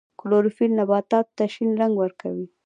کلوروفیل نباتاتو ته شین رنګ ورکوي